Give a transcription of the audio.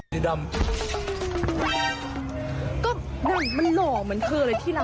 แล้วมันหล่อเหมือนเธอเลยทีละ